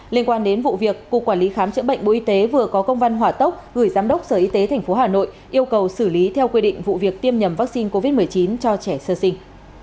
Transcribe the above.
liên quan đến vụ việc cục quản lý khám chữa bệnh bộ y tế vừa có công văn hỏa tốc gửi giám đốc sở y tế tp hà nội yêu cầu xử lý theo quy định vụ việc tiêm nhầm vaccine covid một mươi chín cho trẻ sơ sinh